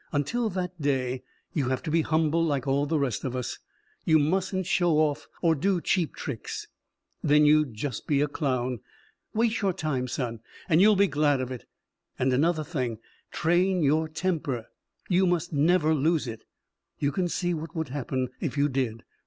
Until that day, you have to be humble like all the rest of us. You mustn't show off or do cheap tricks. Then you'd just be a clown. Wait your time, son, and you'll be glad of it. And another thing train your temper. You must never lose it. You can see what would happen if you did?